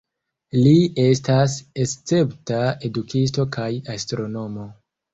Li estas escepta edukisto kaj astronomo.